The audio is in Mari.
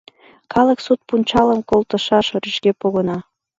Калык суд пунчалым колышташ рӱжге погына.